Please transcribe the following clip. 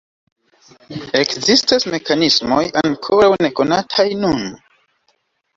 Ekzistas mekanismoj ankoraŭ nekonataj nun.